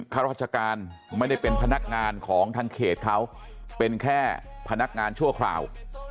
ข้าราชการไม่ได้เป็นพนักงานของทางเขตเขาเป็นแค่พนักงานชั่วคราว